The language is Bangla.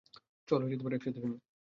চল একসাথে শুনি।